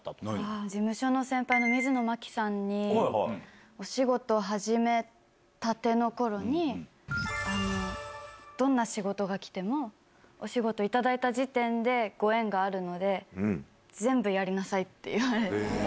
事務所の先輩の水野真紀さんに、お仕事始めたてのころに、どんな仕事が来ても、お仕事頂いた時点でご縁があるので、かっこいい。